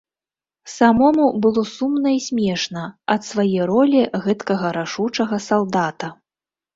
Самому было сумна і смешна ад свае ролі гэткага рашучага салдата.